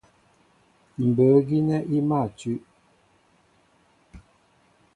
Mbə̌ gínɛ́ í mâ tʉ́.